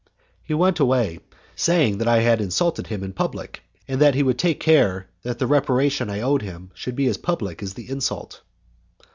He went away, saying that I had insulted him in public, and that he would take care that the reparation I owed him should be as public as the insult.